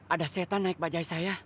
ada setan naik bajai saya